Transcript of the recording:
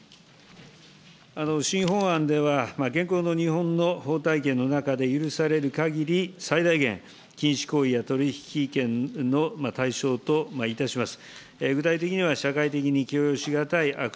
新法案では、現行の日本の法体系の中で許されるかぎり、最大限、禁止行為や取り引き権の対象といたします。